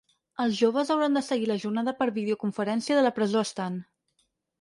Els joves hauran de seguir la jornada per videoconferència de la presó estant.